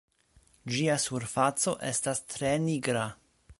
Ĝia surfaco estas tre nigra.